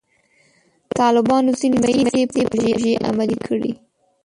طالبانو ځینې سیمه ییزې پروژې عملي کړې.